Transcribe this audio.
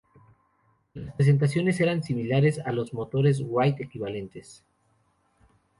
Las prestaciones eran similares a los motores Wright equivalentes.